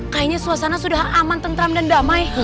kayaknya suasana sudah aman tentram dan damai